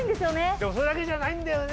でもそれだけじゃないんだよね